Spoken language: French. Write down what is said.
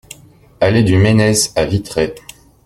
Allée du Ménez à Vitré